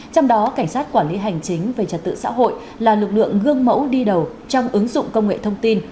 trong đó cảnh sát quản lý hành chính về trật tự xã hội là lực lượng gương mẫu đi đầu trong ứng dụng công nghệ thông tin